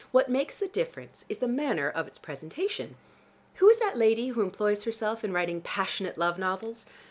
What makes the difference is the manner of its presentation. Who is that lady who employs herself in writing passionate love novels?